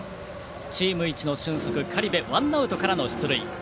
チームいちの俊足苅部、ワンアウトからの出塁。